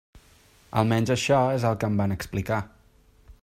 Almenys això és el que em van explicar.